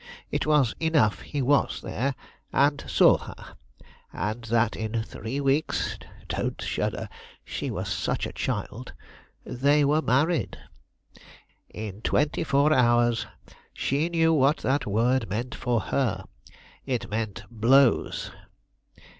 It is enough he was there, and saw her, and that in three weeks don't shudder, she was such a child they were married. In twenty four hours she knew what that word meant for her; it meant blows.